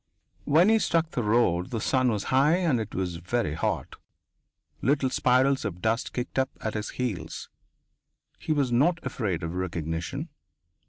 When he struck the road the sun was high and it was very hot. Little spirals of dust kicked up at his heels. He was not afraid of recognition.